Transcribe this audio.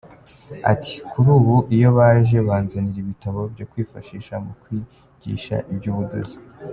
Ati “Kuri ubu iyo baje banzanira ibitabo byo kwifashisha mu kwigisha iby’ubudozi.